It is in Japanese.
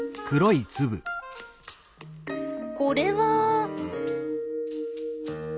これは。